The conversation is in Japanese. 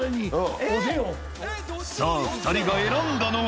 さぁ２人が選んだのは？